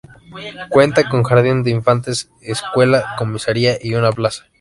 Cuenta con jardín de infantes, escuela, comisaría y una plaza.